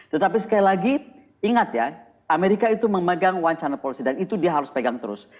tetapi sekali lagi ingat ya amerika itu memegang one china policy dan itu dia harus pegang terus